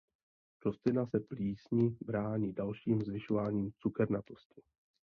Rostlina se plísni brání dalším zvyšováním cukernatosti.